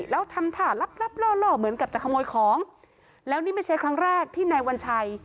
แล้วทำท่าลับลับล่อล่อเหมือนกับจะขโมยของแล้วนี่ไม่ใช่ครั้งแรกที่นายวัญชัย